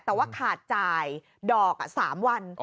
แต่ว่าขาดจ่ายดอก๓วัน